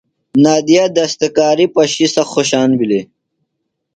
نادیہ دستکاری پشی سخت خوشان بِھلیۡ۔